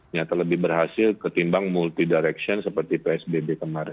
nyata lebih berhasil ketimbang multi direction seperti psbb kemarin